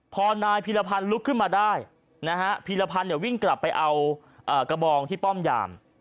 พอนายพีรพันธ์ลุกขึ้นมาได้นะฮะพีรพันธ์วิ่งกลับไปเอากระบองที่ป้อมยาม